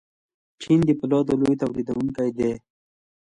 چین د فولادو لوی تولیدونکی دی.